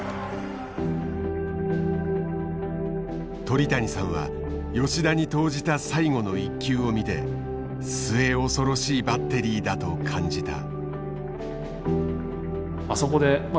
鳥谷さんは吉田に投じた最後の一球を見て末恐ろしいバッテリーだと感じた。